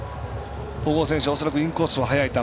小郷選手、恐らくインコースの速い球。